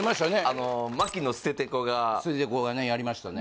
あの牧野ステテコがステテコがねやりましたね